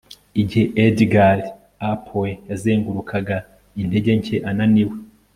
igihe edgar a. poe yazengurukaga intege nke ananiwe